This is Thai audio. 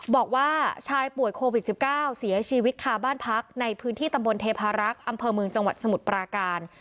บอกว่าชายป่วยโควิด๑๙เสียชีวิตคาบ้านพักในพื้นที่ตำบลเทพารักษ์อำเภอเมืองจังหวัดสมุทรปราการ